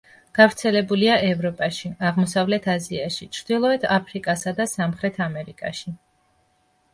გავრცელებულია ევროპაში, აღმოსავლეთ აზიაში, ჩრდილოეთ აფრიკასა და სამხრეთ ამერიკაში.